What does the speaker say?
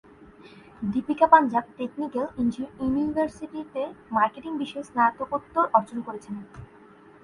Deepika Punjab technical ইউনিভার্সিটিতে marketing বিষয়ে স্নাতকোত্তর অর্জন করেছেন।